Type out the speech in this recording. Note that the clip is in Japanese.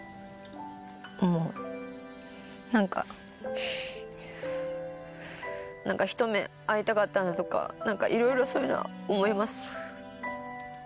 なんか、なんか一目会いたかったなとか、なんかいろいろそういうのは思い